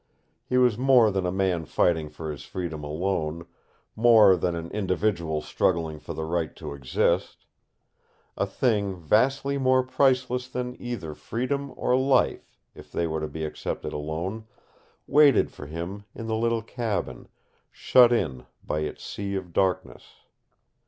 He was more than a man fighting for his freedom alone, more than an individual struggling for the right to exist. A thing vastly more priceless than either freedom or life, if they were to be accepted alone, waited for him in the little cabin, shut in by its sea of darkness.